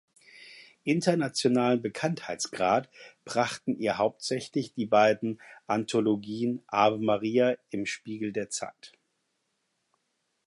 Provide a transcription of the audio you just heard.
Internationalen Bekanntheitsgrad brachten ihr hauptsächlich die beiden Anthologien „"Ave Maria im Spiegel der Zeiten"“.